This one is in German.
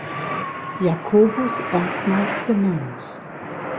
Jakobus erstmals genannt.